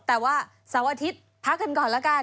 แต่ว่าเสาร์อาทิตย์พักกันก่อนแล้วกัน